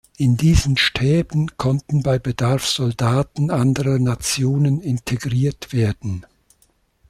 In diesen Stäben konnten bei Bedarf Soldaten anderer Nationen integriert werden.